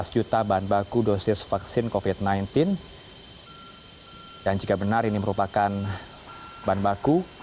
lima belas juta bahan baku dosis vaksin covid sembilan belas dan jika benar ini merupakan bahan baku